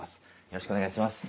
よろしくお願いします。